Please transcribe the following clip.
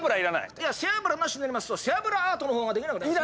背脂なしになりますと背脂アートのほうができなくなります！